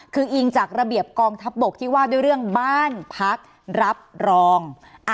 คืออิงจากระเบียบกองทัพบกที่ว่าด้วยเรื่องบ้านพักรับรอง